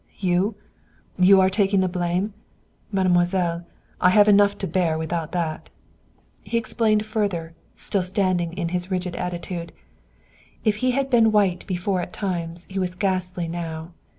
"You? You are taking the blame? Mademoiselle, I have enough to bear without that." He explained further, still standing in his rigid attitude. If he had been white before at times he was ghastly now.